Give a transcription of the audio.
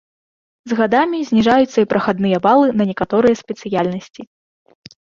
З гадамі зніжаюцца і прахадныя балы на некаторыя спецыяльнасці.